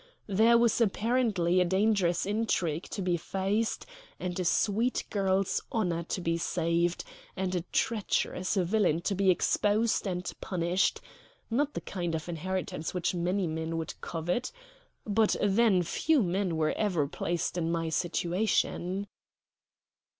There was apparently a dangerous intrigue to be faced, and a sweet girl's honor to be saved, and a treacherous villain to be exposed and punished not the kind of inheritance which many men would covet. But then few men were ever placed in my situation.